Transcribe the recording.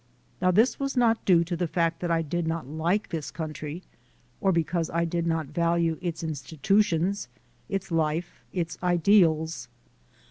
Now this was not due to the fact that I did not like this country, or be cause I did not value its institutions, its life, its ideals.